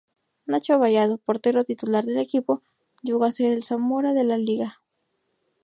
Nacho Vallado, portero titular del equipo, llego a ser el Zamora de la liga.